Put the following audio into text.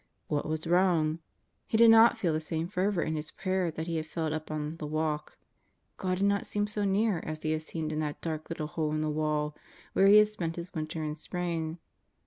What was wrong? He did not feel the same fervor in his prayer that he had felt up on "the walk." God did not seem so near as He had seemed in that dark little hole in the wall where he had spent his winter and spring.